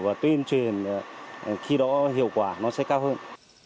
và tuyên truyền khi đó hiệu quả nó sẽ cao hơn